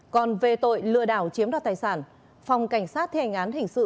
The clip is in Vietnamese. còn về tội lừa đảo chiếm đoạt tài sản phòng cảnh sát theo hình án hình sự